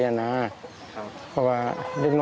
จั๊กจั๊กได้